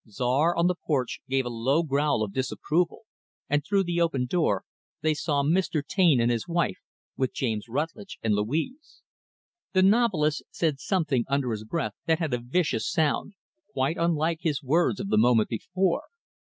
Czar, on the porch, gave a low growl of disapproval; and, through the open door, they saw Mr. Taine and his wife with James Rutlidge and Louise. The novelist said something, under his breath, that had a vicious sound quite unlike his words of the moment before.